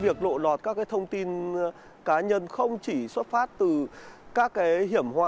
việc lộ lọt các thông tin cá nhân không chỉ xuất phát từ các hiểm họa